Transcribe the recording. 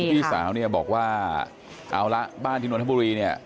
พี่สาวเนี่ยบอกว่าเอาละบ้านที่นวลธบุรีเนี่ย